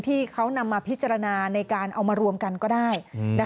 ที่เขานำมาพิจารณาในการเอามารวมกันก็ได้